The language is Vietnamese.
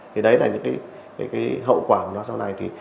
thì đấy là những cái hậu quả của nó sau này thì